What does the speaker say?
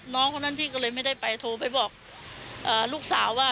น้องคนนั้นพี่ก็เลยไม่ได้ไปโทรไปบอกลูกสาวว่า